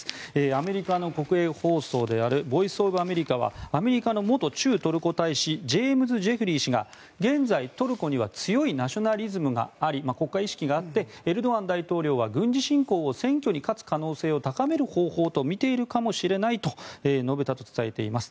アメリカの国営放送であるボイス・オブ・アメリカはアメリカの元駐トルコ大使ジェームズ・ジェフリー氏が現在、トルコには強いナショナリズムがあり国会意識があってエルドアン大統領は軍事侵攻を選挙に勝つ可能性を高める方法と見ているかもしれないと述べたと伝えています。